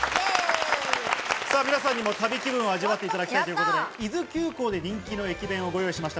皆さんにも旅気分を味わっていただきたいと、伊豆急行で人気の駅弁をご用意しました。